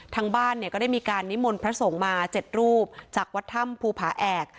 ทางบ้านเนี่ยก็ได้มีการนิมนต์พระสงฆ์มา๗รูปจากวัดถ้ำภูผาแอก